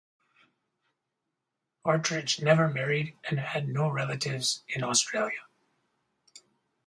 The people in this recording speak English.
Partridge never married and had no relatives in Australia.